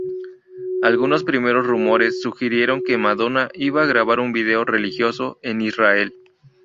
Algunos primeros rumores sugirieron que Madonna iba a grabar un video religioso en Israel.